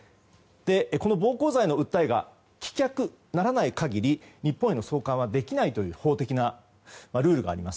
この暴行罪の訴えが棄却とならない限り日本への送還はできないという法的なルールがあります。